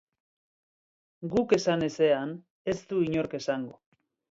Guk esan ezean, ez du inork esango.